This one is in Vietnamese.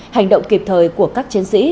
hành động kịp thời của các chiến sĩ